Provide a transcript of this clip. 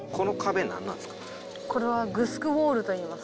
これはグスクウォールといいます。